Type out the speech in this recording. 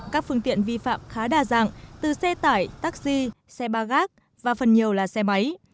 các phương tiện vi phạm khá đa dạng từ xe tải taxi xe ba gác và phần nhiều là xe máy